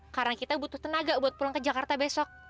karena kita butuh tenaga buat pulang ke jakarta besok